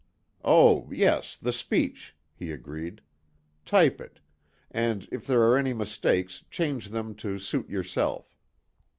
"Oh yes, the speech," he agreed. "Type it. And if there are any mistakes change them to suit yourself."